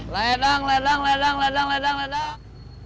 ledang ledang ledang ledang ledang